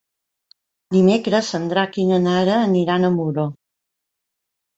Dimecres en Drac i na Nara aniran a Muro.